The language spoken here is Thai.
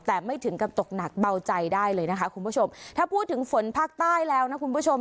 แต่ไม่ถึงกับตกหนักเบาใจได้เลยนะคะคุณผู้ชมถ้าพูดถึงฝนภาคใต้แล้วนะคุณผู้ชม